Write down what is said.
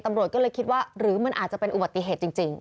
ตำรวจก็เลยคิดว่าหรือมันอาจจะเป็นอุบัติเหตุจริง